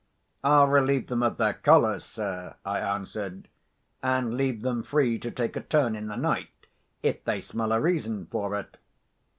"I'll relieve them of their collars, sir," I answered, "and leave them free to take a turn in the night, if they smell a reason for it."